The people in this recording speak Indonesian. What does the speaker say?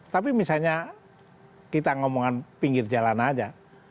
tapi misalnya kita ngomongin pinggir jalan aja